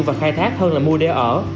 và khai thác hơn là mua để ở